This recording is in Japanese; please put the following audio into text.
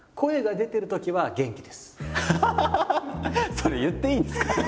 それ言っていいんですか？